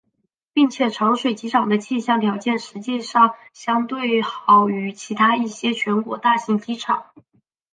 并且长水机场的气象条件实际上相对好于其他一些全国大型机场。